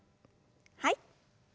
はい。